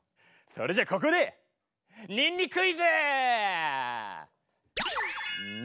それじゃここでにんにクイズ！